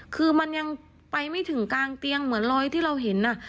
คือมันยังไปไม่ถึงกลางเตียงเหมือนรอยที่เราเห็น